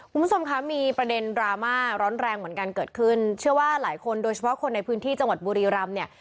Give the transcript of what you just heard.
คุณผู้ชมคะมีประเด็นดราม่าร้อนแรงเหมือนกันเกิดขึ้นเชื่อว่าหลายคนโดยเฉพาะคนในพื้นที่จังหวัดบุรีรำเนี่ย